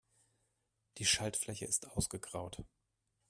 Die Schaltfläche ist ausgegraut.